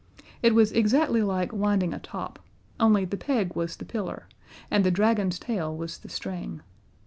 It was exactly like winding a top only the peg was the pillar, and the dragon's tail was the string.